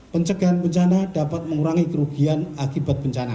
pencegahan bencana dapat mengurangi kerugian akibat bencana